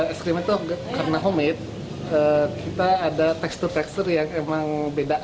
es krim itu karena homemade kita ada tekstur tekstur yang emang beda